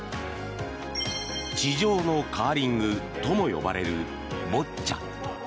地上のカーリングとも呼ばれるボッチャ。